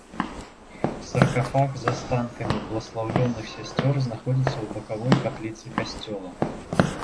Саркафаг з астанкамі бласлаўлёных сясцёр знаходзіцца ў бакавой капліцы касцёла.